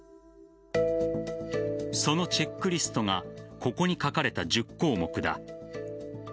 そのチェックリストがここに書かれた１０項目だ。